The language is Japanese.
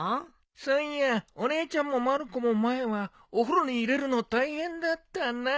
そういやお姉ちゃんもまる子も前はお風呂に入れるの大変だったなあ。